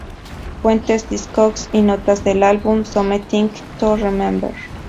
Fuentes: Discogs y notas del álbum "Something to Remember".